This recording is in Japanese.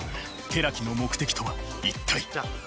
寺木の目的とは一体。